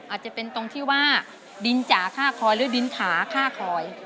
อาจจะเป็นตรงที่ว่าดินจากฆ่าคอยหรือดินขาฆ่าคอย